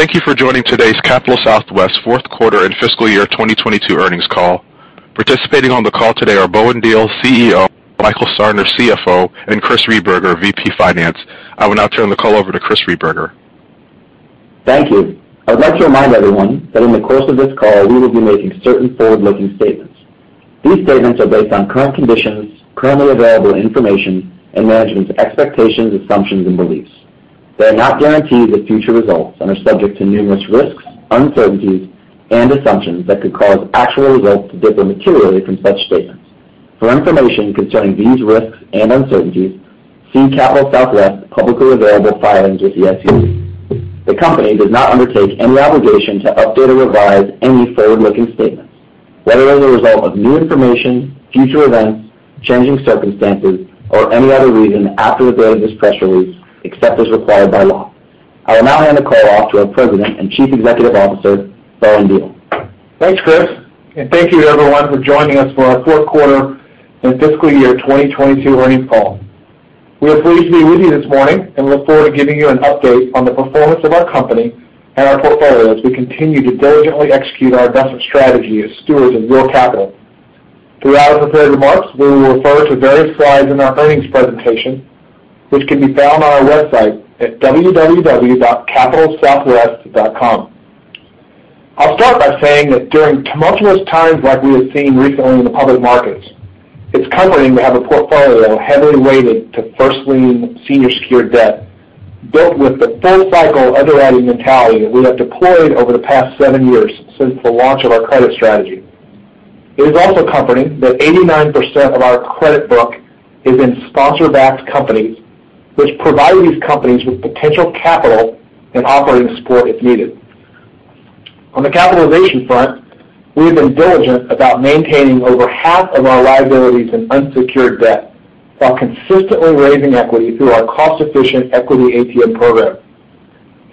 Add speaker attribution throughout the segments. Speaker 1: Thank you for joining today's Capital Southwest fourth quarter and fiscal year 2022 earnings call. Participating on the call today are Bowen Diehl, CEO, Michael Sarner, CFO, and Chris Rehberger, VP Finance. I will now turn the call over to Chris Rehberger.
Speaker 2: Thank you. I'd like to remind everyone that in the course of this call, we will be making certain forward-looking statements. These statements are based on current conditions, currently available information, and management's expectations, assumptions, and beliefs. They are not guarantees of future results and are subject to numerous risks, uncertainties, and assumptions that could cause actual results to differ materially from such statements. For information concerning these risks and uncertainties, see Capital Southwest publicly available filings with the SEC. The company does not undertake any obligation to update or revise any forward-looking statements, whether as a result of new information, future events, changing circumstances, or any other reason after the date of this press release, except as required by law. I will now hand the call off to our President and Chief Executive Officer, Bowen Diehl.
Speaker 3: Thanks, Chris, and thank you everyone for joining us for our fourth quarter and fiscal year 2022 earnings call. We are pleased to be with you this morning and look forward to giving you an update on the performance of our company and our portfolio as we continue to diligently execute our investment strategy as stewards of real capital. Throughout our prepared remarks, we will refer to various slides in our earnings presentation, which can be found on our website at www.capitalsouthwest.com. I'll start by saying that during tumultuous times like we have seen recently in the public markets, it's comforting to have a portfolio heavily weighted to first lien senior secured debt, built with the full cycle underwriting mentality that we have deployed over the past seven years since the launch of our credit strategy. It is also comforting that 89% of our credit book is in sponsor-backed companies, which provide these companies with potential capital and operating support if needed. On the capitalization front, we have been diligent about maintaining over half of our liabilities in unsecured debt while consistently raising equity through our cost-efficient equity ATM program.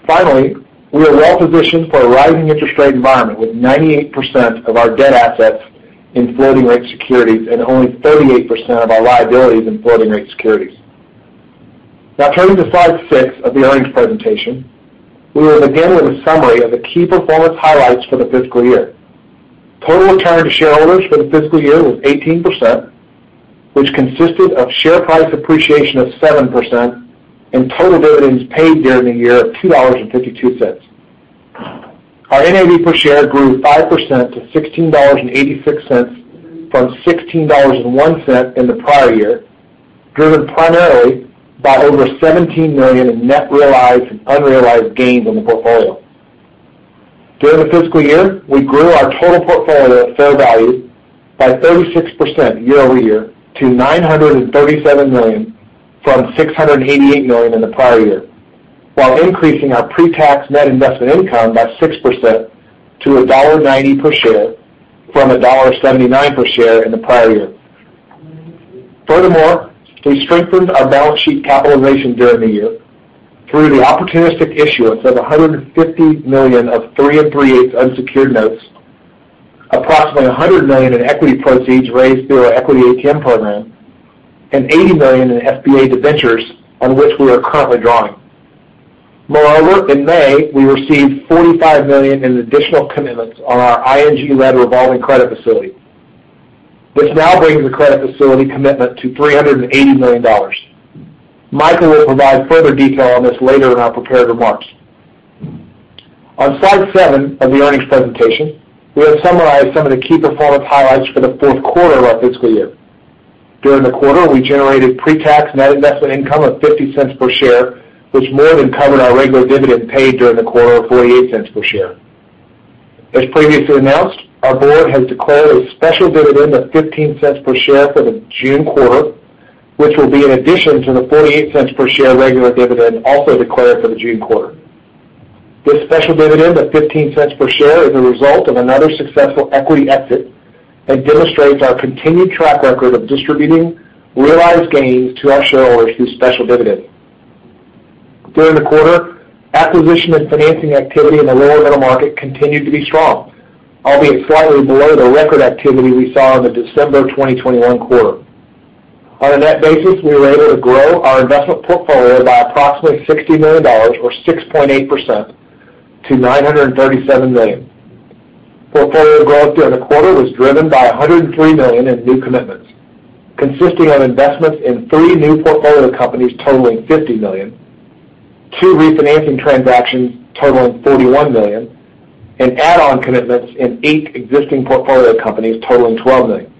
Speaker 3: Finally, we are well-positioned for a rising interest rate environment with 98% of our debt assets in floating rate securities and only 38% of our liabilities in floating rate securities. Now turning to slide six of the earnings presentation. We will begin with a summary of the key performance highlights for the fiscal year. Total return to shareholders for the fiscal year was 18%, which consisted of share price appreciation of 7% and total dividends paid during the year of $2.52. Our NAV per share grew 5% to $16.86 from $16.01 in the prior year, driven primarily by over $17 million in net realized and unrealized gains on the portfolio. During the fiscal year, we grew our total portfolio at fair value by 36% year-over-year to $937 million from $688 million in the prior year, while increasing our pre-tax net investment income by 6% to $1.90 per share from $1.79 per share in the prior year. Furthermore, we strengthened our balance sheet capitalization during the year through the opportunistic issuance of $150 million of three 3/8 unsecured notes, approximately $100 million in equity proceeds raised through our equity ATM program, and $80 million in SBA debentures on which we are currently drawing. Moreover, in May, we received $45 million in additional commitments on our ING-led revolving credit facility, which now brings the credit facility commitment to $380 million. Michael will provide further detail on this later in our prepared remarks. On slide seven of the earnings presentation, we have summarized some of the key performance highlights for the fourth quarter of our fiscal year. During the quarter, we generated pre-tax net investment income of $0.50 per share, which more than covered our regular dividend paid during the quarter of $0.48 per share. As previously announced, our board has declared a special dividend of $0.15 per share for the June quarter, which will be in addition to the $0.48 per share regular dividend also declared for the June quarter. This special dividend of $0.15 per share is a result of another successful equity exit and demonstrates our continued track record of distributing realized gains to our shareholders through special dividends. During the quarter, acquisition and financing activity in the lower middle market continued to be strong, albeit slightly below the record activity we saw in the December 2021 quarter. On a net basis, we were able to grow our investment portfolio by approximately $60 million or 6.8% to $937 million. Portfolio growth during the quarter was driven by $103 million in new commitments consisting of investments in portfolio companies totaling $50 million, two refinancing transactions totaling $41 million, and add-on commitments in eight existing portfolio companies totaling $12 million.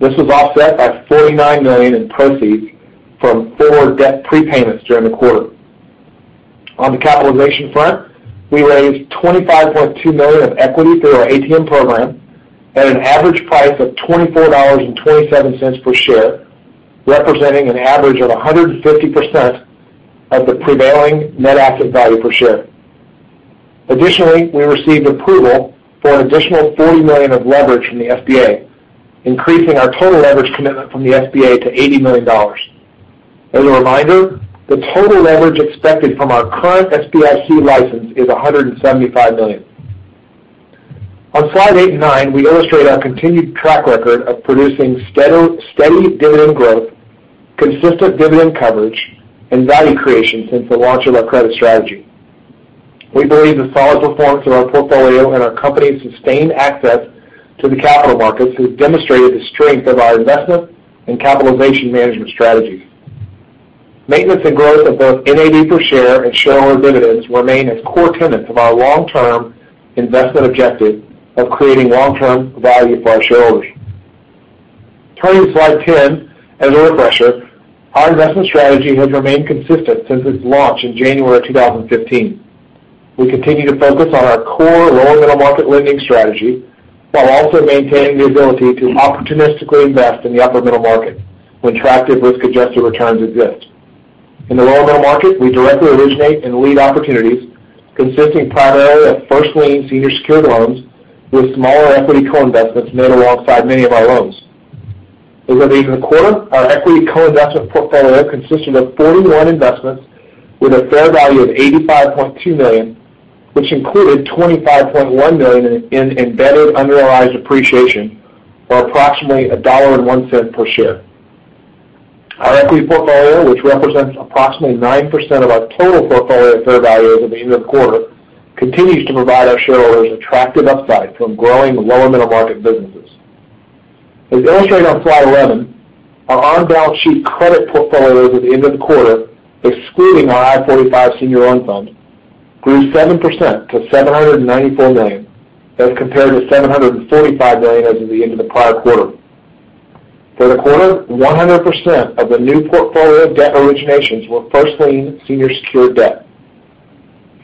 Speaker 3: This was offset by $49 million in proceeds from four debt prepayments during the quarter. On the capitalization front, we raised $25.2 million of equity through our ATM program at an average price of $24.27 per share, representing an average of 150% of the prevailing net asset value per share. Additionally, we received approval for an additional $40 million of leverage from the SBA, increasing our total leverage commitment from the SBA to $80 million. As a reminder, the total leverage expected from our current SBIC license is $175 million. On slide eight and nine, we illustrate our continued track record of producing steady dividend growth, consistent dividend coverage, and value creation since the launch of our credit strategy. We believe the solid performance of our portfolio and our company's sustained access to the capital markets has demonstrated the strength of our investment and capitalization management strategies. Maintenance and growth of both NAV per share and shareholder dividends remain as core tenets of our long-term investment objective of creating long-term value for our shareholders. Turning to slide 10, as a refresher, our investment strategy has remained consistent since its launch in January 2015. We continue to focus on our core lower middle market lending strategy while also maintaining the ability to opportunistically invest in the upper middle market when attractive risk-adjusted returns exist. In the lower middle market, we directly originate and lead opportunities consisting primarily of first lien senior secured loans with smaller equity co-investments made alongside many of our loans. As of the end of the quarter, our equity co-investment portfolio consisted of 41 investments with a fair value of $85.2 million, which included $25.1 million in embedded unrealized appreciation, or approximately $1.01 per share. Our equity portfolio, which represents approximately 9% of our total portfolio fair value as of the end of the quarter, continues to provide our shareholders attractive upside from growing lower middle market businesses. As illustrated on slide 11, our on-balance sheet credit portfolio as of the end of the quarter, excluding our I-45 Senior Loan Fund, grew 7% to $794 million, as compared to $745 million as of the end of the prior quarter. For the quarter, 100% of the new portfolio debt originations were first lien senior secured debt.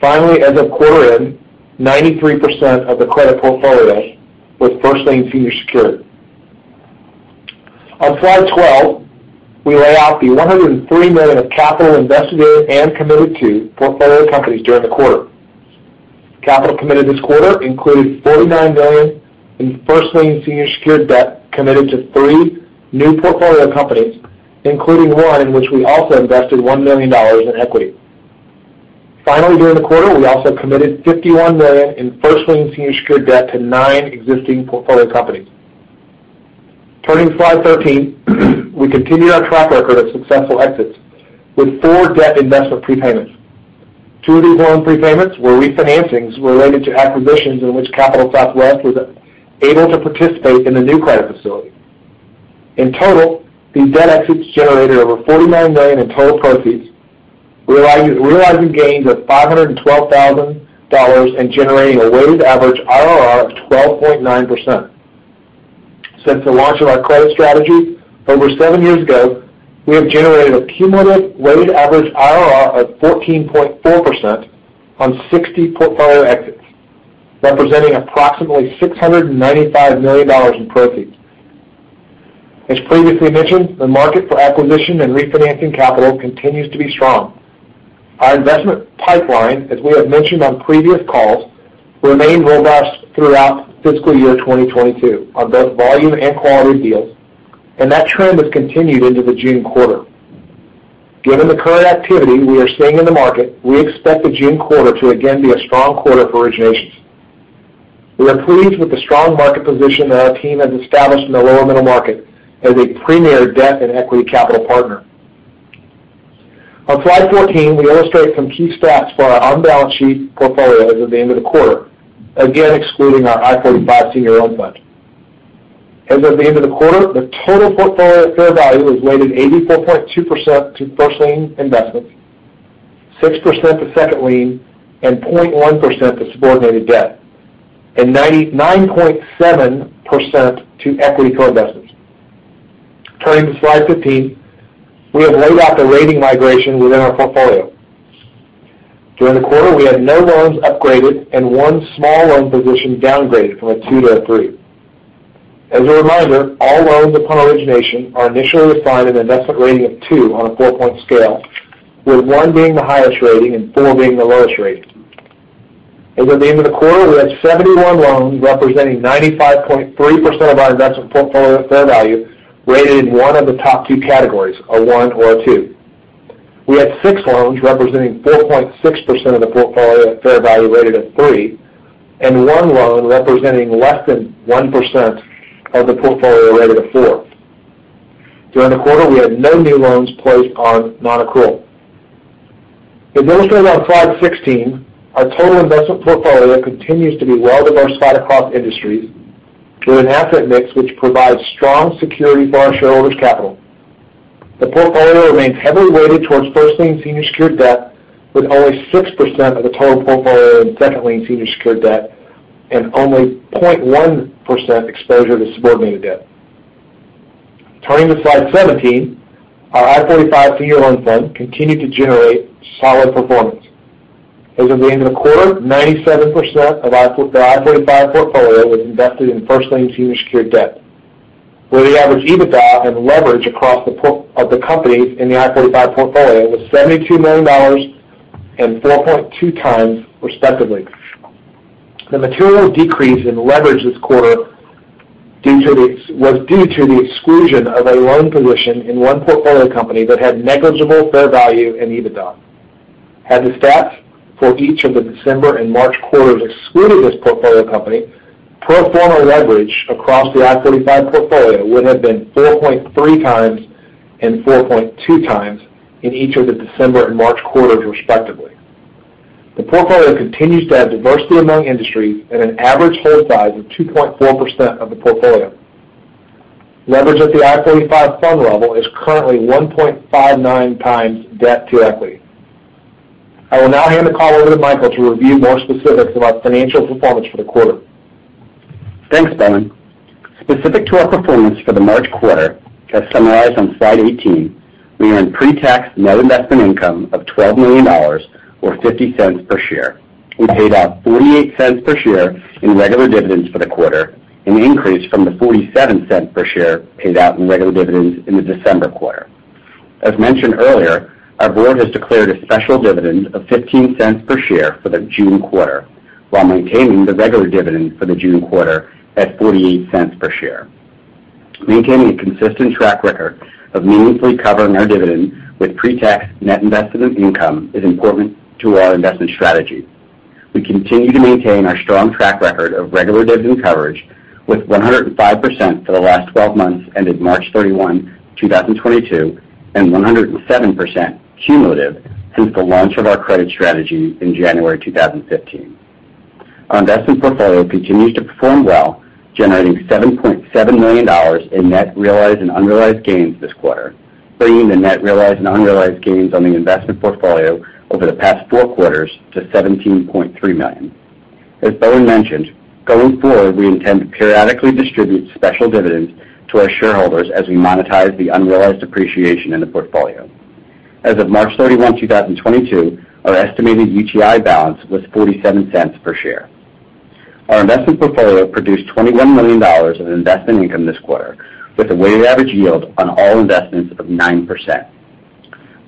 Speaker 3: Finally, as of quarter end, 93% of the credit portfolio was first lien senior secured. On slide 12, we lay out the $103 million of capital invested in and committed to portfolio companies during the quarter. Capital committed this quarter included $49 million in first lien senior secured debt committed to three new portfolio companies, including one in which we also invested $1 million in equity. Finally, during the quarter, we also committed $51 million in first lien senior secured debt to nine existing portfolio companies. Turning to slide 13, we continue our track record of successful exits with four debt investment prepayments. Two of these loan prepayments were refinancings related to acquisitions in which Capital Southwest was able to participate in the new credit facility. In total, these debt exits generated over $49 million in total proceeds, realizing gains of $512 thousand and generating a weighted average IRR of 12.9%. Since the launch of our credit strategy over seven years ago, we have generated a cumulative weighted average IRR of 14.4% on 60 portfolio exits, representing approximately $695 million in proceeds. As previously mentioned, the market for acquisition and refinancing capital continues to be strong. Our investment pipeline, as we have mentioned on previous calls, remained robust throughout fiscal year 2022 on both volume and quality deals, and that trend has continued into the June quarter. Given the current activity we are seeing in the market, we expect the June quarter to again be a strong quarter for originations. We are pleased with the strong market position that our team has established in the lower middle market as a premier debt and equity capital partner. On slide 14, we illustrate some key stats for our on-balance sheet portfolio as of the end of the quarter, again, excluding our I-45 Senior Loan Fund. As of the end of the quarter, the total portfolio fair value was weighted 84.2% to first lien investments, 6% to second lien, and 0.1% to subordinated debt, and 99.7% to equity co-investments. Turning to slide 15, we have laid out the rating migration within our portfolio. During the quarter, we had no loans upgraded and one small loan position downgraded from a two to a three. As a reminder, all loans upon origination are initially assigned an investment rating of two on a four-point scale, with one being the highest rating and four being the lowest rating. As of the end of the quarter, we had 71 loans representing 95.3% of our investment portfolio fair value rated in one of the top two categories, a one or a two. We had six loans representing 4.6% of the portfolio fair value rated a three, and one loan representing less than 1% of the portfolio rated a four. During the quarter, we had no new loans placed on non-accrual. As illustrated on slide 16, our total investment portfolio continues to be well-diversified across industries with an asset mix which provides strong security for our shareholders' capital. The portfolio remains heavily weighted towards first lien senior secured debt, with only 6% of the total portfolio in second lien senior secured debt and only 0.1% exposure to subordinated debt. Turning to slide 17, our I-45 Senior Loan Fund continued to generate solid performance. As of the end of the quarter, 97% of the I-45 portfolio was invested in first lien senior secured debt, where the average EBITDA and leverage across of the companies in the I-45 portfolio was $72 million and 4.2x, respectively. The material decrease in leverage this quarter was due to the exclusion of a loan position in one portfolio company that had negligible fair value and EBITDA. Had the stats for each of the December and March quarters excluded this portfolio company, pro forma leverage across the I-45 portfolio would have been 4.3x and 4.2x in each of the December and March quarters, respectively. The portfolio continues to have diversity among industries and an average hold size of 2.4% of the portfolio. Leverage at the I-45 fund level is currently 1.59x debt to equity. I will now hand the call over to Michael to review more specifics about financial performance for the quarter.
Speaker 4: Thanks, Bowen. Specific to our performance for the March quarter, as summarized on slide 18, we earned pretax net investment income of $12 million or $0.50 per share. We paid out $0.48 per share in regular dividends for the quarter, an increase from the $0.47 per share paid out in regular dividends in the December quarter. As mentioned earlier, our board has declared a special dividend of $0.15 per share for the June quarter, while maintaining the regular dividend for the June quarter at $0.48 per share. Maintaining a consistent track record of meaningfully covering our dividend with pretax net investment income is important to our investment strategy. We continue to maintain our strong track record of regular dividend coverage with 105% for the last 12 months, ended March 31, 2022, and 107% cumulative since the launch of our credit strategy in January 2015. Our investment portfolio continues to perform well, generating $7.7 million in net realized and unrealized gains this quarter, bringing the net realized and unrealized gains on the investment portfolio over the past four quarters to $17.3 million. As Bowen mentioned, going forward, we intend to periodically distribute special dividends to our shareholders as we monetize the unrealized appreciation in the portfolio. As of March 31, 2022, our estimated UTI balance was $0.47 per share. Our investment portfolio produced $21 million of investment income this quarter, with a weighted average yield on all investments of 9%.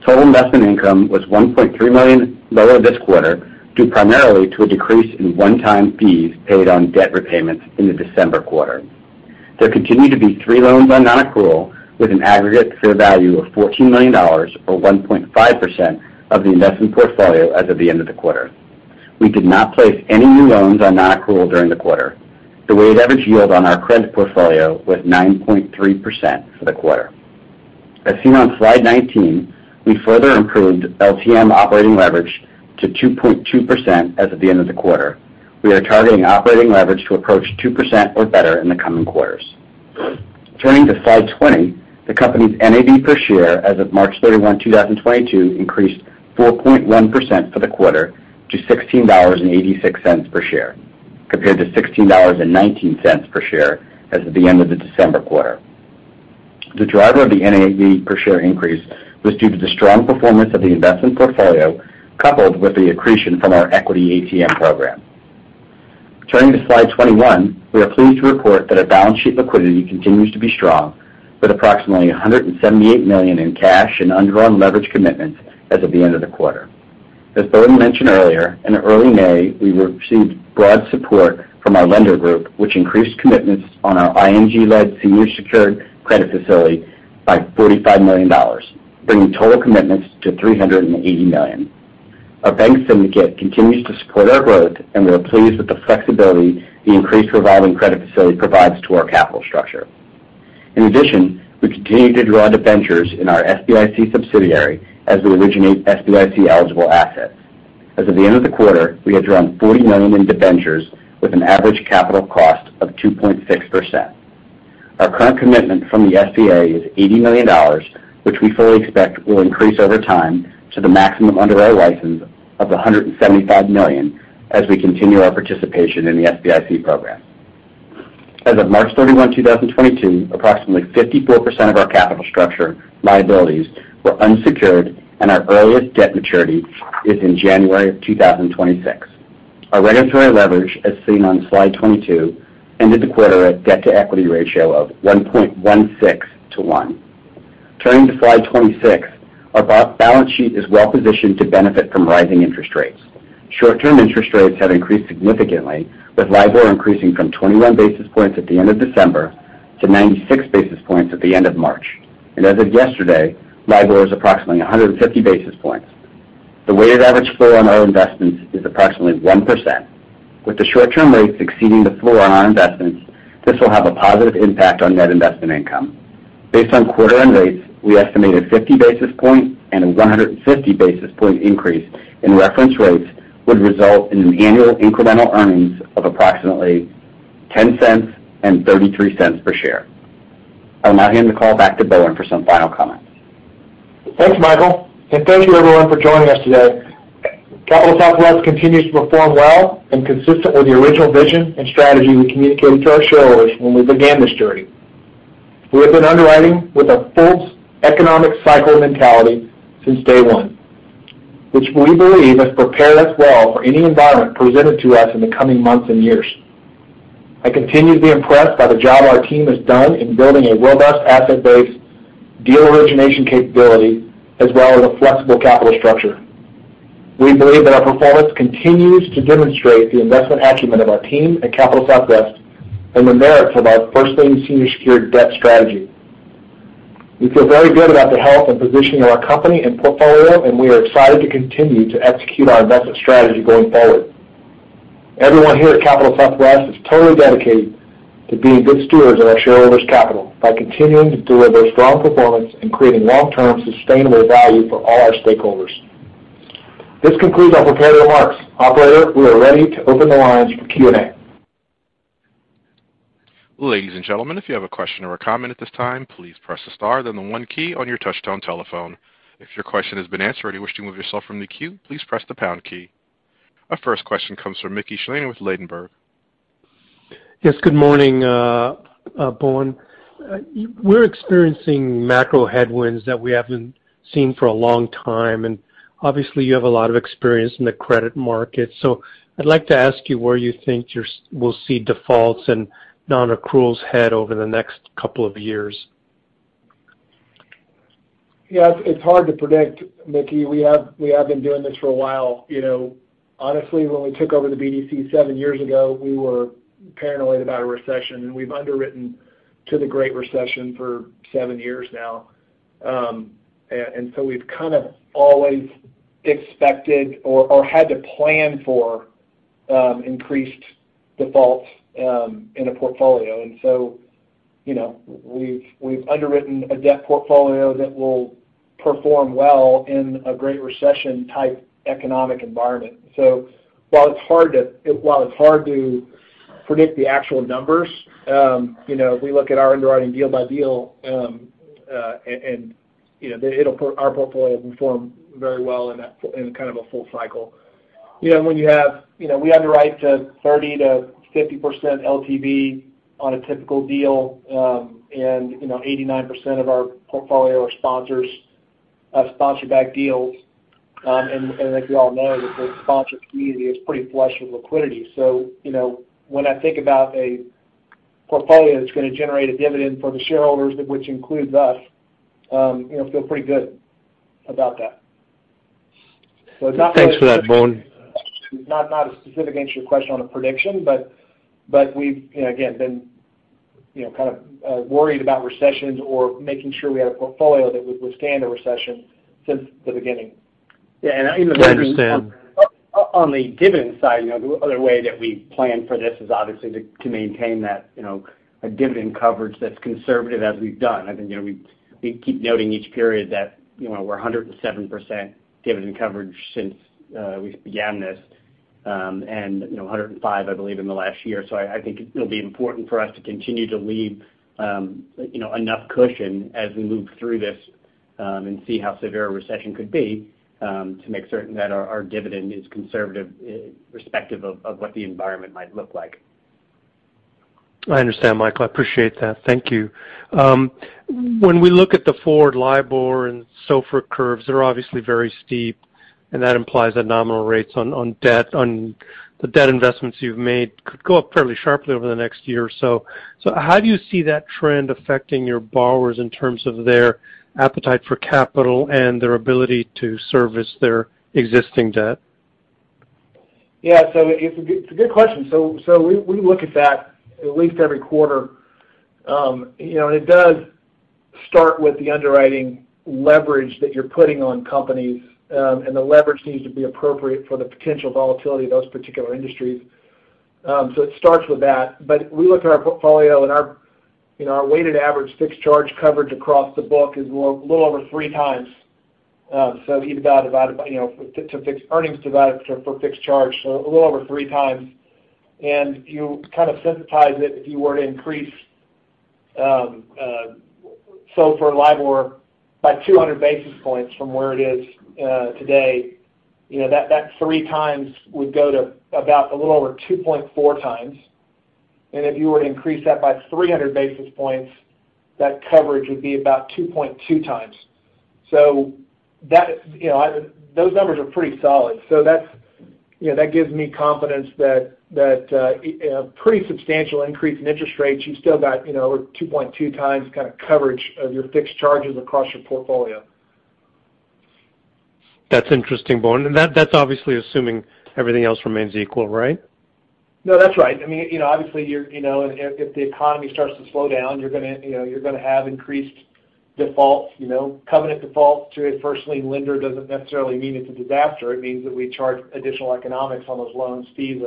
Speaker 4: Total investment income was $1.3 million lower this quarter, due primarily to a decrease in one-time fees paid on debt repayments in the December quarter. There continued to be three loans on non-accrual, with an aggregate fair value of $14 million or 1.5% of the investment portfolio as of the end of the quarter. We did not place any new loans on non-accrual during the quarter. The weighted average yield on our credit portfolio was 9.3% for the quarter. As seen on slide 19, we further improved LTM operating leverage to 2.2% as of the end of the quarter. We are targeting operating leverage to approach 2% or better in the coming quarters. Turning to slide 20, the company's NAV per share as of March 31, 2022 increased 4.1% for the quarter to $16.86 per share, compared to $16.19 per share as of the end of the December quarter. The driver of the NAV per share increase was due to the strong performance of the investment portfolio, coupled with the accretion from our equity ATM program. Turning to slide 21, we are pleased to report that our balance sheet liquidity continues to be strong, with approximately $178 million in cash and undrawn leverage commitments as of the end of the quarter. As Bowen mentioned earlier, in early May, we received broad support from our lender group, which increased commitments on our ING-led senior secured credit facility by $45 million, bringing total commitments to $380 million. Our bank syndicate continues to support our growth, and we are pleased with the flexibility the increased revolving credit facility provides to our capital structure. In addition, we continue to draw debentures in our SBIC subsidiary as we originate SBIC-eligible assets. As of the end of the quarter, we had drawn $40 million in debentures with an average capital cost of 2.6%. Our current commitment from the SBA is $80 million, which we fully expect will increase over time to the maximum under our license of $175 million as we continue our participation in the SBIC program. As of March 31, 2022, approximately 54% of our capital structure liabilities were unsecured, and our earliest debt maturity is in January 2026. Our regulatory leverage, as seen on slide 22, ended the quarter at debt-to-equity ratio of 1.16 to one. Turning to slide 26, our balance sheet is well-positioned to benefit from rising interest rates. Short-term interest rates have increased significantly, with LIBOR increasing from 21 basis points at the end of December to 96 basis points at the end of March. As of yesterday, LIBOR is approximately 150 basis points. The weighted average floor on our investments is approximately 1%. With the short-term rates exceeding the floor on our investments, this will have a positive impact on net investment income. Based on quarter-end rates, we estimate a 50 basis points and a 150 basis points increase in reference rates would result in annual incremental earnings of approximately $0.10 and $0.33 per share. I'll now hand the call back to Bowen for some final comments.
Speaker 3: Thanks, Michael. Thank you everyone for joining us today. Capital Southwest continues to perform well and consistent with the original vision and strategy we communicated to our shareholders when we began this journey. We have been underwriting with a full economic cycle mentality since day one, which we believe has prepared us well for any environment presented to us in the coming months and years. I continue to be impressed by the job our team has done in building a robust asset base, deal origination capability, as well as a flexible capital structure. We believe that our performance continues to demonstrate the investment acumen of our team at Capital Southwest and the merits of our first lien senior secured debt strategy. We feel very good about the health and positioning of our company and portfolio, and we are excited to continue to execute our investment strategy going forward. Everyone here at Capital Southwest is totally dedicated to being good stewards of our shareholders' capital by continuing to deliver strong performance and creating long-term sustainable value for all our stakeholders. This concludes our prepared remarks. Operator, we are ready to open the lines for Q&A.
Speaker 1: Ladies and gentlemen, if you have a question or a comment at this time, please press the star, then the one key on your touchtone telephone. If your question has been answered or you wish to move yourself from the queue, please press the pound key. Our first question comes from Mickey Schleien with Ladenburg.
Speaker 5: Yes, good morning, Bowen. We're experiencing macro headwinds that we haven't seen for a long time, and obviously, you have a lot of experience in the credit market. I'd like to ask you where you think we'll see defaults and non-accruals head over the next couple of years.
Speaker 3: Yeah, it's hard to predict, Mickey. We have been doing this for a while. You know, honestly, when we took over the BDC seven years ago, we were paranoid about a recession, and we've underwritten to the Great Recession for seven years now. So we've kind of always expected or had to plan for increased defaults in a portfolio. You know, we've underwritten a debt portfolio that will perform well in a Great Recession-type economic environment. While it's hard to predict the actual numbers, you know, if we look at our underwriting deal by deal, and you know, our portfolio will perform very well in that in kind of a full cycle. You know, when you have... You know, we underwrite to 30%-50% LTV on a typical deal, and you know, 89% of our portfolio are sponsor-backed deals. As you all know, the sponsor community is pretty flush with liquidity. You know, when I think about a portfolio that's gonna generate a dividend for the shareholders, which includes us, you know, I feel pretty good about that. It's not.
Speaker 5: Thanks for that, Bowen.
Speaker 3: Not a specific answer to your question on a prediction, but we've, you know, again, been, you know, kind of worried about recessions or making sure we had a portfolio that would withstand a recession since the beginning.
Speaker 4: Yeah, in the.
Speaker 5: I understand.
Speaker 4: On the dividend side, you know, the other way that we plan for this is obviously to maintain that, you know, a dividend coverage that's conservative as we've done. I think, you know, we keep noting each period that, you know, we're 107% dividend coverage since we began this, and, you know, 105%, I believe, in the last year. I think it'll be important for us to continue to leave, you know, enough cushion as we move through this, and see how severe a recession could be, to make certain that our dividend is conservative, respective of what the environment might look like.
Speaker 5: I understand, Michael. I appreciate that. Thank you. When we look at the forward LIBOR and SOFR curves, they're obviously very steep, and that implies that nominal rates on the debt investments you've made could go up fairly sharply over the next year or so. How do you see that trend affecting your borrowers in terms of their appetite for capital and their ability to service their existing debt?
Speaker 3: It's a good question. We look at that at least every quarter. You know, and it does start with the underwriting leverage that you're putting on companies, and the leverage needs to be appropriate for the potential volatility of those particular industries. It starts with that. We look at our portfolio, and our weighted average Fixed Charge Coverage across the book is a little over 3x EBITDA divided by fixed charges, so a little over 3x If you kind of sensitize it, if you were to increase SOFR or LIBOR by 200 basis points from where it is today, you know, that 3x would go to about a little over 2.4x. If you were to increase that by 300 basis points, that coverage would be about 2.2x. That, you know, those numbers are pretty solid. That's, you know, that gives me confidence that pretty substantial increase in interest rates, you've still got, you know, 2.2x kind of coverage of your fixed charges across your portfolio.
Speaker 5: That's interesting, Bowen. That's obviously assuming everything else remains equal, right?
Speaker 3: No, that's right. I mean, you know, obviously, you're, you know, if the economy starts to slow down, you're gonna have increased defaults, you know. Covenant default to a first lien lender doesn't necessarily mean it's a disaster. It means that we charge additional economics on those loans, fees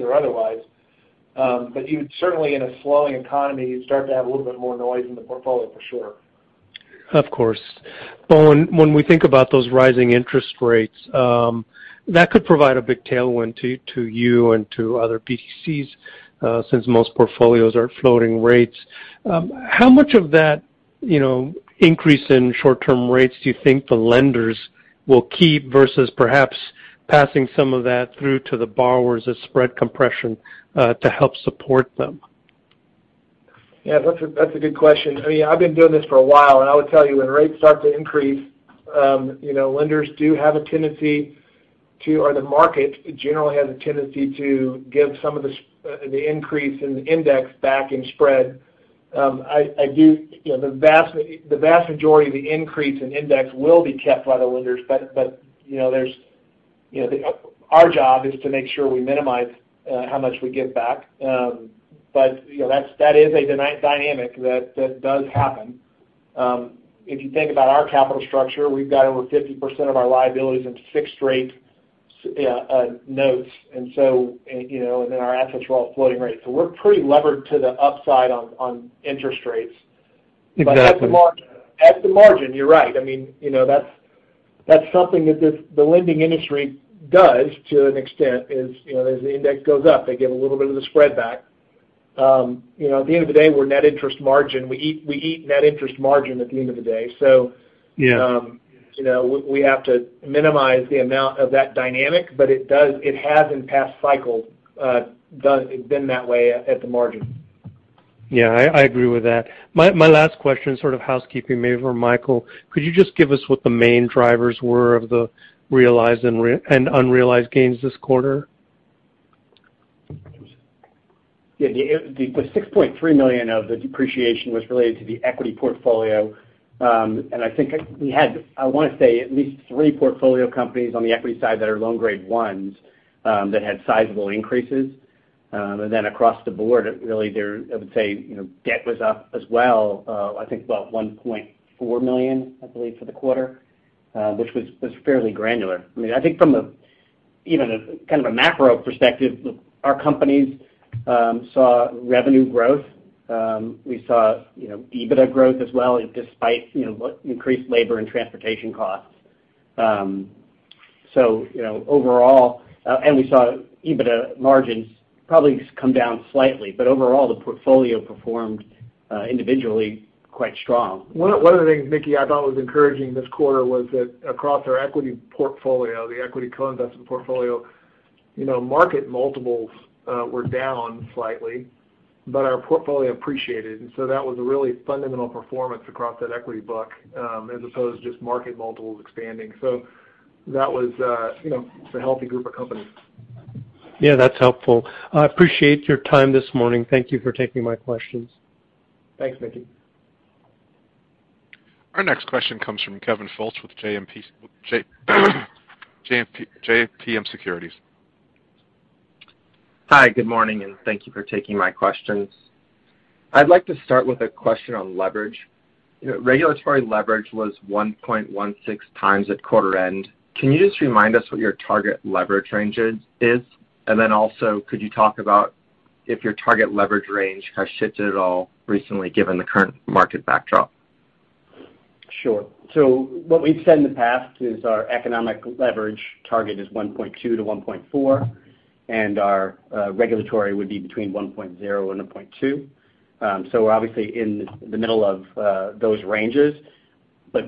Speaker 3: or otherwise. Certainly, in a slowing economy, you start to have a little bit more noise in the portfolio, for sure.
Speaker 5: Of course. Bowen, when we think about those rising interest rates, that could provide a big tailwind to you and to other BDCs, since most portfolios are floating rates. How much of that, you know, increase in short-term rates do you think the lenders will keep versus perhaps passing some of that through to the borrowers as spread compression, to help support them?
Speaker 3: Yeah, that's a good question. I mean, I've been doing this for a while, and I would tell you, when rates start to increase, you know, lenders do have a tendency to, or the market generally has a tendency to give some of the increase in index back in spread. I do, you know, the vast majority of the increase in index will be kept by the lenders. But, you know, there's. You know, our job is to make sure we minimize how much we give back. But, you know, that's, that is a dynamic that does happen. If you think about our capital structure, we've got over 50% of our liabilities in fixed rate notes. Our assets are all floating rates. We're pretty levered to the upside on interest rates.
Speaker 5: Exactly.
Speaker 3: At the margin, you're right. I mean, you know, that's something that the lending industry does to an extent, you know, as the index goes up, they give a little bit of the spread back. You know, at the end of the day, we're Net Interest Margin. We eat Net Interest Margin at the end of the day.
Speaker 5: Yeah.
Speaker 3: You know, we have to minimize the amount of that dynamic, but it does, it has in past cycles, been that way at the margin.
Speaker 5: Yeah. I agree with that. My last question, sort of housekeeping maybe for Michael. Could you just give us what the main drivers were of the realized and unrealized gains this quarter?
Speaker 4: Yeah. The $6.3 million of the depreciation was related to the equity portfolio. I think we had, I wanna say, at least three portfolio companies on the equity side that are loan grade ones that had sizable increases. Then across the board, really there, I would say, you know, debt was up as well, I think about $1.4 million, I believe, for the quarter, which was fairly granular. I mean, I think from a, even a, kind of a macro perspective, our companies saw revenue growth. We saw, you know, EBITDA growth as well, despite, you know, with increased labor and transportation costs. You know, overall, we saw EBITDA margins probably come down slightly. Overall, the portfolio performed individually quite strong.
Speaker 3: One of the things, Mickey, I thought was encouraging this quarter was that across our equity portfolio, the equity co-investment portfolio, you know, market multiples were down slightly, but our portfolio appreciated. That was a really fundamental performance across that equity book, as opposed to just market multiples expanding. That was, you know, it's a healthy group of companies.
Speaker 5: Yeah, that's helpful. I appreciate your time this morning. Thank you for taking my questions.
Speaker 3: Thanks, Mickey.
Speaker 1: Our next question comes from Kevin Fultz with JMP Securities.
Speaker 6: Hi, good morning, and thank you for taking my questions. I'd like to start with a question on leverage. You know, regulatory leverage was 1.16x at quarter end. Can you just remind us what your target leverage range is? Could you talk about if your target leverage range has shifted at all recently given the current market backdrop?
Speaker 4: Sure. What we've said in the past is our economic leverage target is 1.2-1.4, and our regulatory would be between 1.0 and 1.2. We're obviously in the middle of those ranges.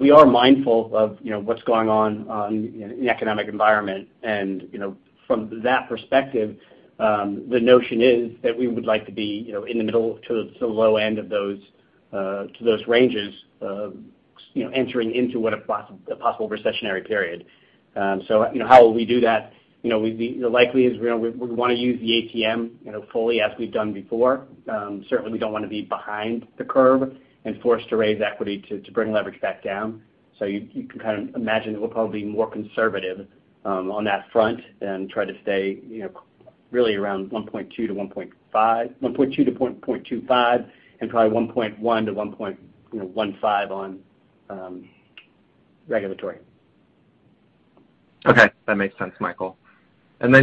Speaker 4: We are mindful of, you know, what's going on in the economic environment. You know, from that perspective, the notion is that we would like to be, you know, in the middle to the low end of those ranges, you know, entering into what a possible recessionary period. You know, how will we do that? You know, the likely is, you know, we wanna use the ATM, you know, fully as we've done before. Certainly, we don't wanna be behind the curve and forced to raise equity to bring leverage back down. You can kind of imagine that we'll probably be more conservative on that front and try to stay, you know, really around 1.2-1.5, 1.2-1.25 and probably 1.1-1.15 on regulatory.
Speaker 6: Okay. That makes sense, Michael.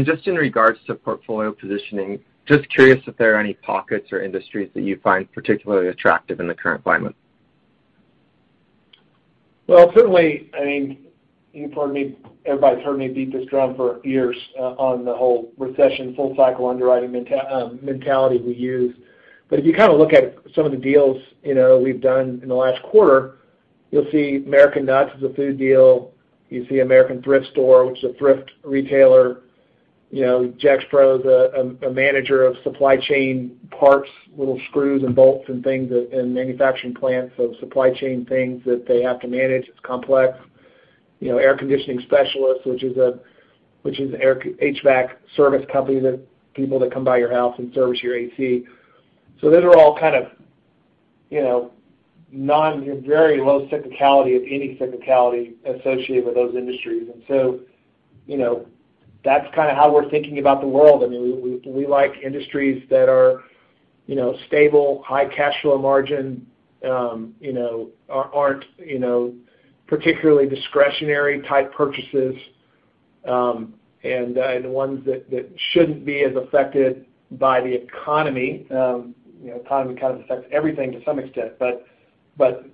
Speaker 6: Just in regards to portfolio positioning, just curious if there are any pockets or industries that you find particularly attractive in the current climate.
Speaker 3: Well, certainly, I mean, you've heard me, everybody's heard me beat this drum for years on the whole recession, full cycle underwriting mentality we use. If you kind of look at some of the deals, you know, we've done in the last quarter, you'll see American Nuts is a food deal. You see America's Thrift Stores, which is a thrift retailer. You know, Jax Pro is a manager of supply chain parts, little screws and bolts and things that in manufacturing plants. So supply chain things that they have to manage. It's complex. You know, Air Conditioning Specialists, which is HVAC service company that people that come by your house and service your AC. So those are all kind of, you know, non, you know, very low cyclicality, if any cyclicality associated with those industries. You know, that's kinda how we're thinking about the world. I mean, we like industries that are, you know, stable, high cash flow margin, you know, aren't, you know, particularly discretionary type purchases, and the ones that shouldn't be as affected by the economy. You know, economy kind of affects everything to some extent, but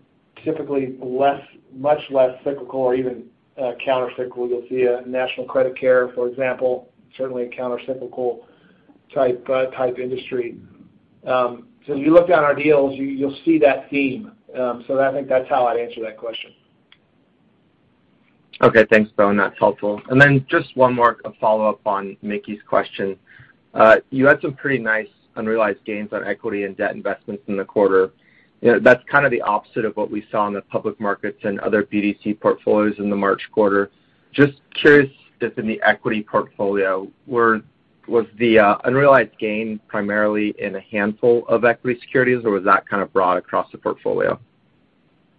Speaker 3: typically less, much less cyclical or even countercyclical. You'll see National Credit Care, for example, certainly a countercyclical type industry. So if you look down our deals, you'll see that theme. So I think that's how I'd answer that question.
Speaker 6: Okay. Thanks, Bowen. That's helpful. Just one more follow-up on Mickey's question. You had some pretty nice unrealized gains on equity and debt investments in the quarter. You know, that's kind of the opposite of what we saw in the public markets and other BDC portfolios in the March quarter. Just curious if in the equity portfolio, were-
Speaker 4: Was the unrealized gain primarily in a handful of equity securities, or was that kind of broad across the portfolio?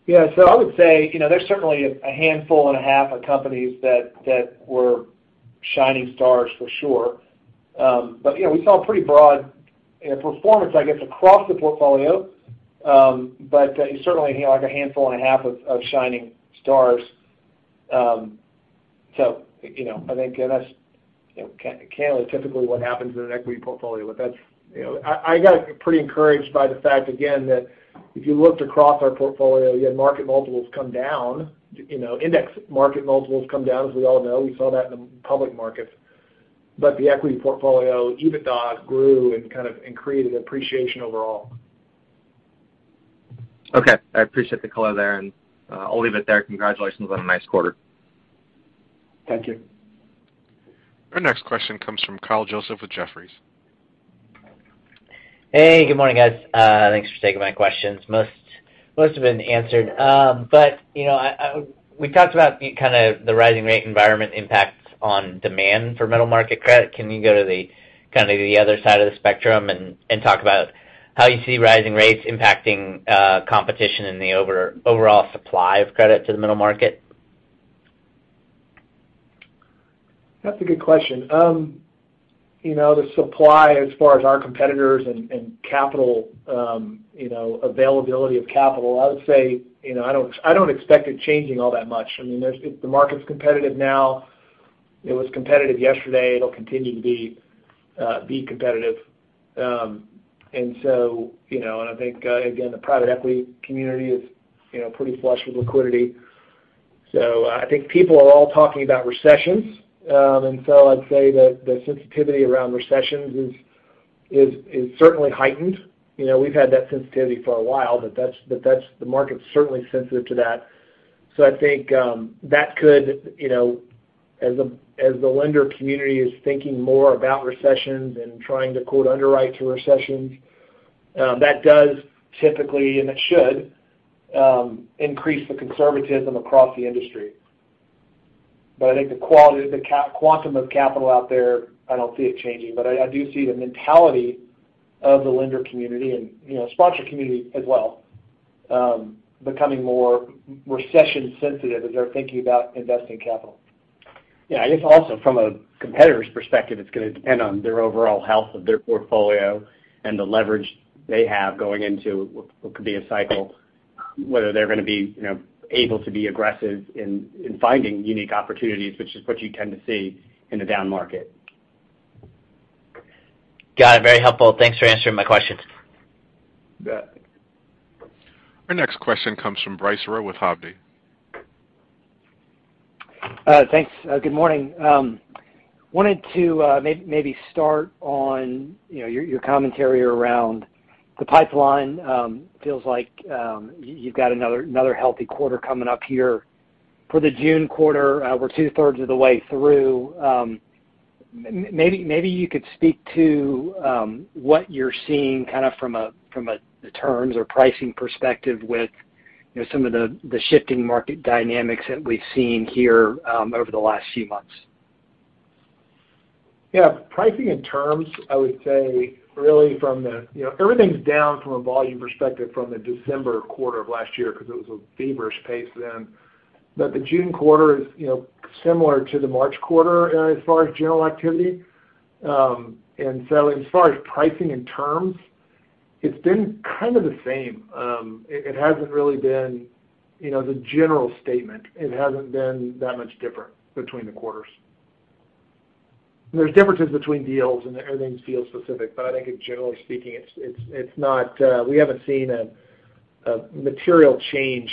Speaker 6: Yeah. So I would say, you know, there's certainly a handful and a half of companies that were shining stars for sure. We saw a pretty broad, you know, performance, I guess, across the portfolio. Certainly, you know, like, a handful and a half of shining stars. I think, and that's, you know, kind of typically what happens in an equity portfolio. I got pretty encouraged by the fact again that if you looked across our portfolio, you had market multiples come down, you know, index market multiples come down, as we all know. We saw that in the public markets. The equity portfolio EBITDA grew and created appreciation overall. Okay. I appreciate the color there, and I'll leave it there. Congratulations on a nice quarter.
Speaker 3: Thank you.
Speaker 1: Our next question comes from Kyle Joseph with Jefferies.
Speaker 7: Hey, good morning, guys. Thanks for taking my questions. Most have been answered. You know, we talked about the kind of the rising rate environment impact on demand for middle market credit. Can you go to the kind of the other side of the spectrum and talk about how you see rising rates impacting competition in the overall supply of credit to the middle market?
Speaker 3: That's a good question. You know, the supply as far as our competitors and capital, you know, availability of capital, I would say, you know, I don't expect it changing all that much. I mean, if the market's competitive now, it was competitive yesterday, it'll continue to be competitive. You know, and I think, again, the private equity community is, you know, pretty flush with liquidity. So I think people are all talking about recessions. I'd say that the sensitivity around recessions is certainly heightened. You know, we've had that sensitivity for a while, but that's the market's certainly sensitive to that. I think that could, you know, as the lender community is thinking more about recessions and trying to, quote, underwrite to recessions, that does typically, and it should, increase the conservatism across the industry. I think the quality, the quantum of capital out there, I don't see it changing. I do see the mentality of the lender community and, you know, sponsor community as well, becoming more recession sensitive as they're thinking about investing capital.
Speaker 4: Yeah. I guess also from a competitor's perspective, it's gonna depend on their overall health of their portfolio and the leverage they have going into what could be a cycle, whether they're gonna be, you know, able to be aggressive in finding unique opportunities, which is what you tend to see in the down market.
Speaker 7: Got it. Very helpful. Thanks for answering my questions.
Speaker 3: You bet.
Speaker 1: Our next question comes from Bryce Rowe with Hovde.
Speaker 8: Thanks. Good morning. Wanted to maybe start on, you know, your commentary around the pipeline. Feels like you've got another healthy quarter coming up here. For the June quarter, we're two-thirds of the way through. Maybe you could speak to what you're seeing kind of from a terms or pricing perspective with, you know, some of the shifting market dynamics that we've seen here over the last few months.
Speaker 3: Yeah. Pricing and terms, I would say really from the you know, everything's down from a volume perspective from the December quarter of last year 'cause it was a feverish pace then. The June quarter is, you know, similar to the March quarter, as far as general activity. Pricing and terms, it's been kind of the same. It hasn't really been, you know, the general statement. It hasn't been that much different between the quarters. There's differences between deals and everything's deal specific, but I think generally speaking, it's not. We haven't seen a material change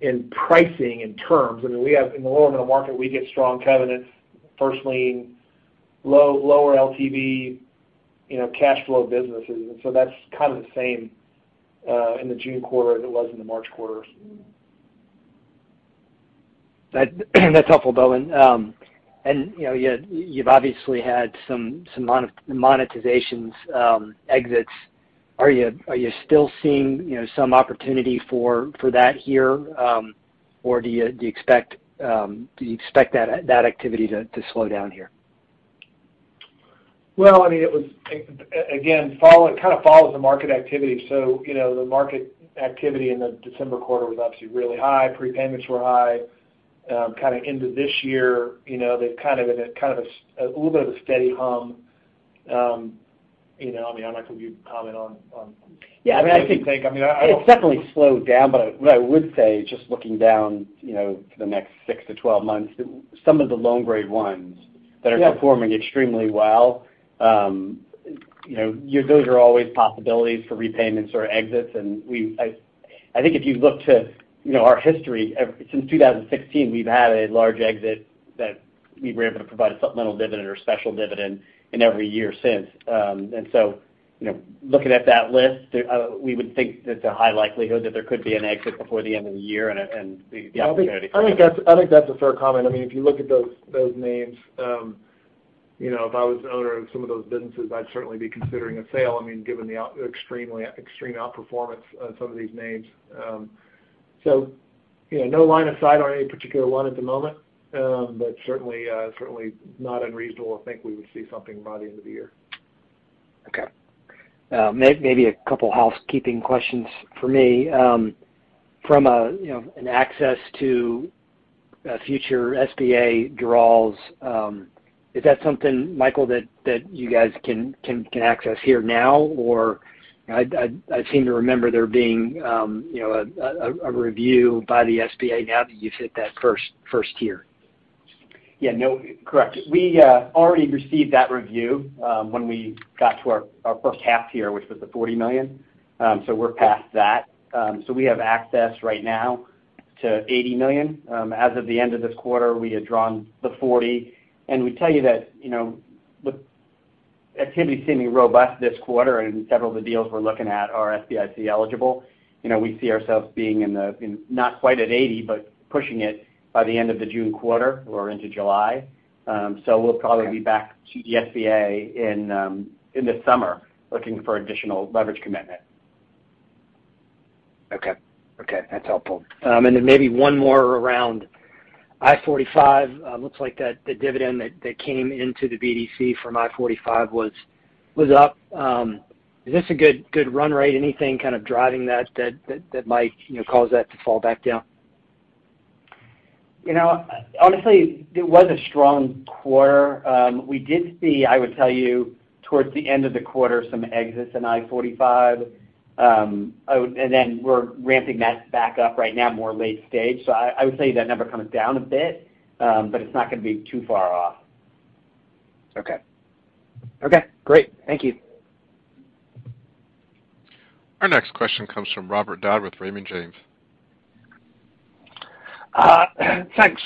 Speaker 3: in pricing and terms. I mean, in the lower middle market, we get strong covenants, first lien, lower LTV, you know, cash flow businesses. That's kind of the same in the June quarter as it was in the March quarter.
Speaker 8: That's helpful, Bowen. You know, you've obviously had some monetizations, exits. Are you still seeing, you know, some opportunity for that here? Or do you expect that activity to slow down here?
Speaker 3: Well, I mean, it was again, it kind of follows the market activity. You know, the market activity in the December quarter was obviously really high. Prepayments were high. Kind of into this year, you know, they've kind of a little bit of a steady hum. You know, I mean, I'm not going to be able to comment on.
Speaker 4: Yeah. I mean, I think.
Speaker 3: I mean, I don't.
Speaker 4: It's definitely slowed down. What I would say, just looking down, you know, to the next 6-12 months, some of the loan grade ones that are.
Speaker 3: Yeah.
Speaker 4: Performing extremely well, you know, those are always possibilities for repayments or exits. I think if you look to, you know, our history since 2016, we've had a large exit that we were able to provide a supplemental dividend or special dividend in every year since. You know, looking at that list, we would think that the high likelihood that there could be an exit before the end of the year and the opportunity for that.
Speaker 3: I think that's a fair comment. I mean, if you look at those names, you know, if I was an owner of some of those businesses, I'd certainly be considering a sale, I mean, given the extreme outperformance of some of these names. You know, no line of sight on any particular one at the moment. Certainly not unreasonable to think we would see something by the end of the year.
Speaker 8: Okay. Maybe a couple housekeeping questions for me. From an access to future SBA draws, you know, is that something, Michael, that you guys can access here now? I seem to remember there being you know, a review by the SBA now that you've hit that first tier.
Speaker 4: Yeah, no. Correct. We already received that review, when we got to our first half year, which was the $40 million. So we're past that. So we have access right now to $80 million. As of the end of this quarter, we had drawn the $40. We tell you that, you know, the activity is seeming robust this quarter, and several of the deals we're looking at are SBIC eligible. You know, we see ourselves being in the not quite at $80, but pushing it by the end of the June quarter or into July. So we'll probably be back to the SBA in the summer looking for additional leverage commitment.
Speaker 8: Okay, that's helpful. Then maybe one more around I-45. Looks like the dividend that came into the BDC from I-45 was up. Is this a good run rate? Anything kind of driving that might, you know, cause that to fall back down?
Speaker 4: You know, honestly, it was a strong quarter. We did see, I would tell you, towards the end of the quarter, some exits in I-45. Then we're ramping that back up right now, more late stage. I would say that number comes down a bit, but it's not gonna be too far off.
Speaker 8: Okay, great. Thank you.
Speaker 1: Our next question comes from Robert Dodd with Raymond James.
Speaker 9: Thanks.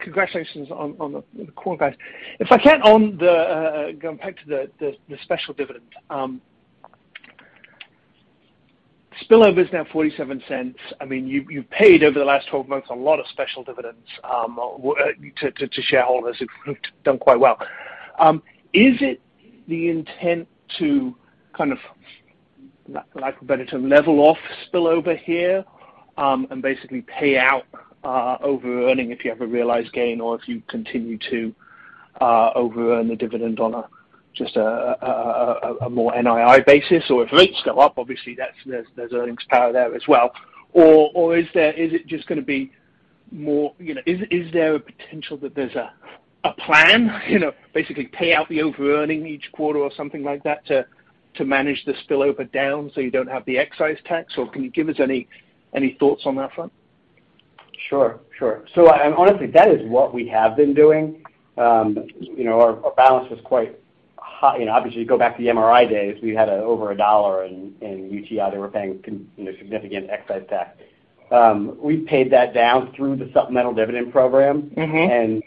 Speaker 9: Congratulations on the quarter, guys. If I can, going back to the special dividend. Spillover is now $0.47. I mean, you've paid over the last 12 months a lot of special dividends to shareholders who've done quite well. Is it the intent to kind of, for lack of a better term, level off spillover here, and basically pay out overearning if you have a realized gain or if you continue to overearn the dividend on a more NII basis? Or if rates go up, obviously that's earnings power there as well. Or is it just gonna be more. You know, is there a potential that there's a plan, you know, basically pay out the over earning each quarter or something like that to manage the spillover down so you don't have the excise tax? Or can you give us any thoughts on that front?
Speaker 4: Sure. Honestly, that is what we have been doing. You know, our balance was quite high. Obviously, you go back to the MRI days, we had over $1 in UTI. They were paying, you know, significant excise tax. We paid that down through the supplemental dividend program.
Speaker 9: Mm-hmm.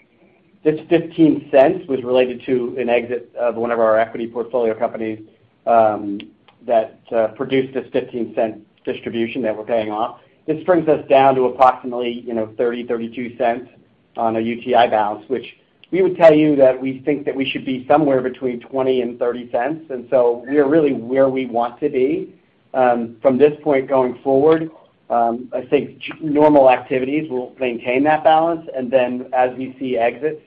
Speaker 4: This $0.15 was related to an exit of one of our equity portfolio companies that produced this $0.15 distribution that we're paying off. This brings us down to approximately, you know, $0.30, $0.32 on a UTI balance, which we would tell you that we think that we should be somewhere between $0.20 and $0.30. We are really where we want to be. From this point going forward, I think normal activities will maintain that balance. Then as we see exits,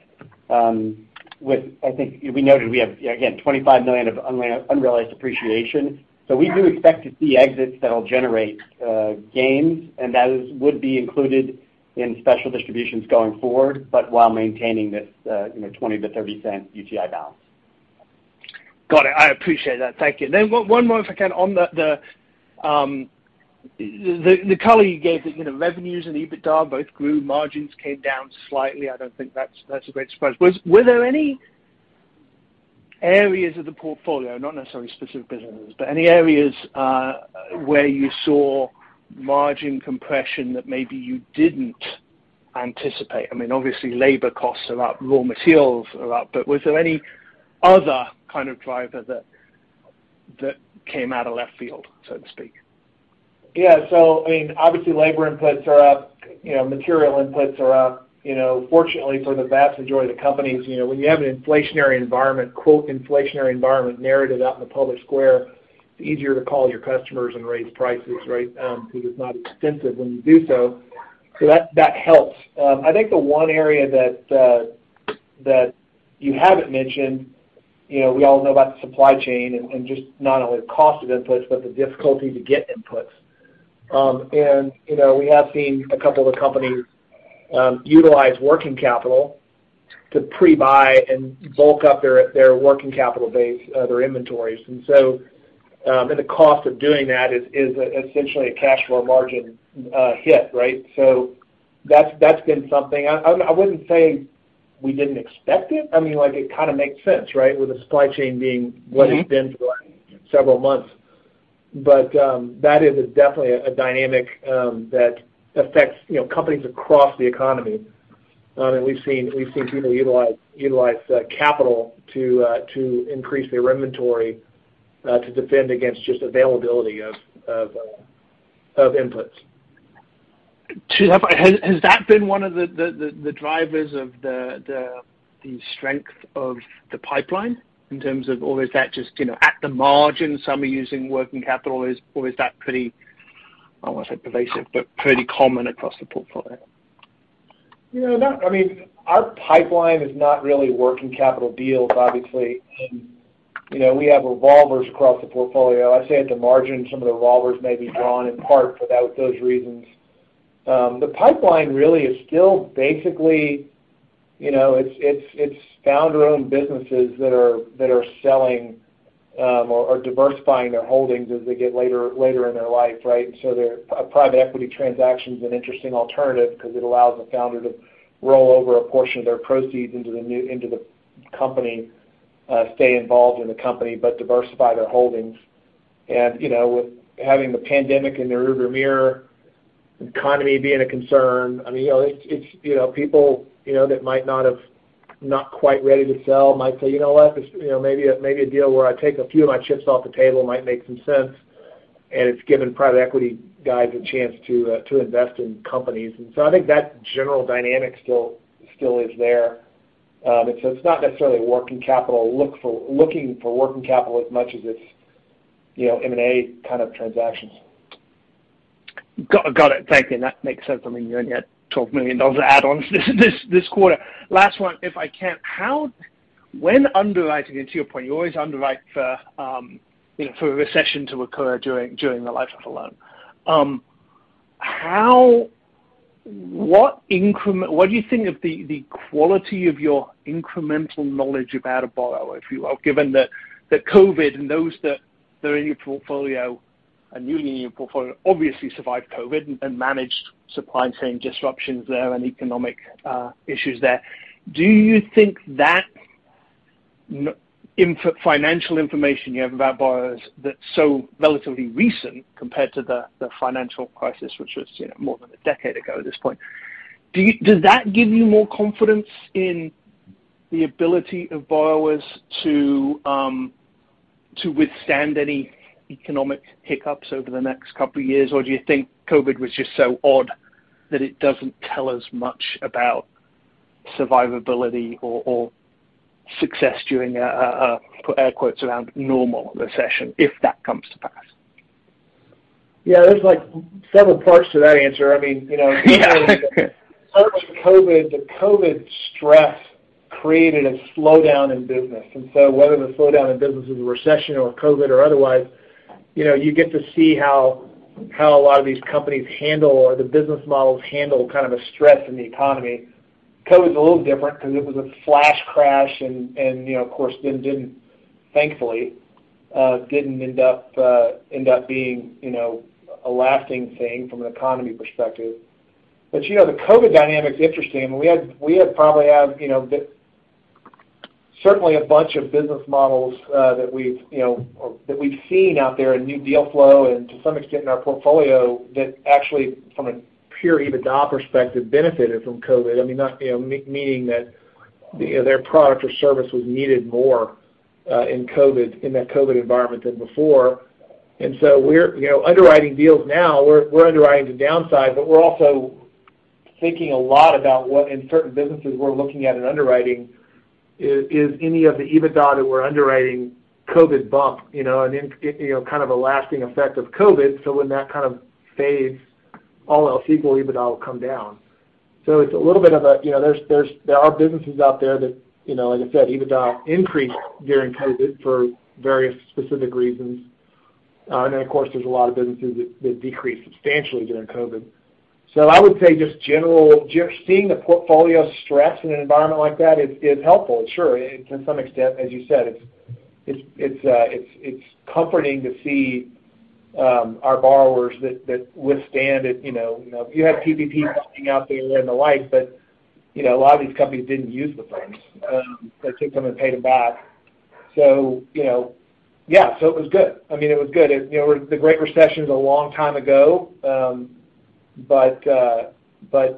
Speaker 4: with, I think we noted we have, again, $25 million of unrealized appreciation. We expect to see exits that'll generate gains, and would be included in special distributions going forward, but while maintaining this, you know, $0.20-$0.30 UTI balance.
Speaker 9: Got it. I appreciate that. Thank you. One more, if I can, on the color you gave that, you know, revenues and EBITDA both grew, margins came down slightly. I don't think that's a great surprise. Were there any areas of the portfolio, not necessarily specific businesses, but any areas where you saw margin compression that maybe you didn't anticipate? I mean, obviously labor costs are up, raw materials are up. Was there any other kind of driver that came out of left field, so to speak?
Speaker 3: Yeah. I mean, obviously labor inputs are up, you know, material inputs are up. You know, fortunately for the vast majority of the companies, you know, when you have an inflationary environment, quote, "inflationary environment" narrative out in the public square, it's easier to call your customers and raise prices, right? Because it's not offensive when you do so. That helps. I think the one area that you haven't mentioned, you know, we all know about the supply chain and just not only the cost of inputs, but the difficulty to get inputs. And you know, we have seen a couple of the companies utilize working capital to pre-buy and bulk up their working capital base, their inventories. The cost of doing that is essentially a cash flow margin hit, right? That's been something. I wouldn't say we didn't expect it. I mean, like, it kinda makes sense, right? With the supply chain being what it's been for several months. That is definitely a dynamic that affects, you know, companies across the economy. We've seen people utilize capital to increase their inventory to defend against just availability of inputs.
Speaker 9: Has that been one of the drivers of the strength of the pipeline in terms of or is that just, you know, at the margin, some are using working capital? Or is that pretty, I don't wanna say pervasive, but pretty common across the portfolio?
Speaker 3: You know, I mean, our pipeline is not really working capital deals, obviously. You know, we have revolvers across the portfolio. I'd say at the margin, some of the revolvers may be drawn in part for that, those reasons. The pipeline really is still basically, you know, it's founder-owned businesses that are selling or diversifying their holdings as they get later in their life, right? A private equity transaction is an interesting alternative because it allows the founder to roll over a portion of their proceeds into the company, stay involved in the company, but diversify their holdings. You know, with having the pandemic in the rearview mirror, the economy being a concern, I mean, you know, it's, you know, people, you know, that might not quite ready to sell might say, "You know what? This, you know, maybe a deal where I take a few of my chips off the table might make some sense." It's given private equity guys a chance to invest in companies. So I think that general dynamic still is there. It's not necessarily working capital looking for working capital as much as it's, you know, M&A kind of transactions.
Speaker 9: Got it. Thank you. That makes sense. I mean, you only had $12 million of add-ons this quarter. Last one, if I can. When underwriting, to your point, you always underwrite for a recession to occur during the life of a loan. What do you think of the quality of your incremental knowledge about a borrower, if you will? Given that COVID and those that are in your portfolio and newly in your portfolio obviously survived COVID and managed supply chain disruptions there and economic issues there. Do you think that financial information you have about borrowers that's so relatively recent compared to the financial crisis, which was more than a decade ago at this point. Does that give you more confidence in the ability of borrowers to withstand any economic hiccups over the next couple of years? Or do you think COVID was just so odd that it doesn't tell us much about survivability or success during a put air quotes around, "normal" recession, if that comes to pass?
Speaker 3: Yeah. There's like several parts to that answer. I mean, you know.
Speaker 9: Yeah.
Speaker 3: COVID, the COVID stress created a slowdown in business. Whether the slowdown in business is a recession or COVID or otherwise, you know, you get to see how a lot of these companies handle or the business models handle kind of a stress in the economy. COVID's a little different because it was a flash crash and, you know, of course then didn't, thankfully, end up being, you know, a lasting thing from an economy perspective. You know, the COVID dynamic is interesting, and we probably have, you know, certainly a bunch of business models that we've you know or that we've seen out there in new deal flow and to some extent in our portfolio that actually from a pure EBITDA perspective benefited from COVID. I mean, not meaning that, you know, their product or service was needed more in COVID, in that COVID environment than before. We're, you know, underwriting deals now. We're underwriting the downside, but we're also thinking a lot about what in certain businesses we're looking at in underwriting is any of the EBITDA that we're underwriting COVID bump, you know, and kind of a lasting effect of COVID. When that kind of fades, all else equal, EBITDA will come down. It's a little bit of a, you know, there are businesses out there that, you know, like I said, EBITDA increased during COVID for various specific reasons. Of course, there's a lot of businesses that decreased substantially during COVID. I would say just generally seeing the portfolio stress in an environment like that is helpful, sure. To some extent, as you said, it's comforting to see our borrowers that withstand it, you know. You know, you had PPP funding out there and the like, but you know, a lot of these companies didn't use the funds. They took them and paid them back. You know, yeah. It was good. I mean, it was good. It you know, the Great Recession is a long time ago. But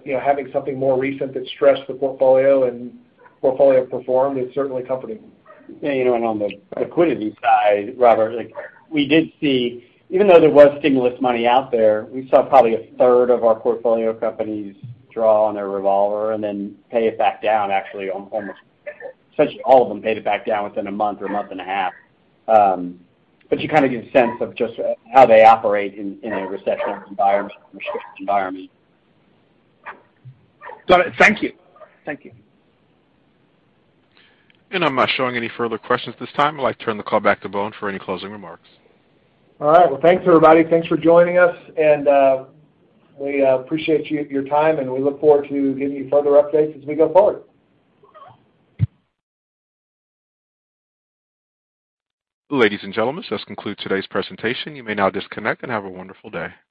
Speaker 3: you know, having something more recent that stressed the portfolio and portfolio performed is certainly comforting.
Speaker 4: Yeah, you know, on the liquidity side, Robert, like we did see, even though there was stimulus money out there, we saw probably a third of our portfolio companies draw on their revolver and then pay it back down, essentially all of them paid it back down within a month or a month and a half. You kind of get a sense of just how they operate in a recession environment, restricted environment.
Speaker 9: Got it. Thank you. Thank you.
Speaker 1: I'm not showing any further questions at this time. I'd like to turn the call back to Bowen for any closing remarks.
Speaker 3: All right. Well, thanks, everybody. Thanks for joining us, and we appreciate your time, and we look forward to giving you further updates as we go forward.
Speaker 1: Ladies and gentlemen, this concludes today's presentation. You may now disconnect and have a wonderful day.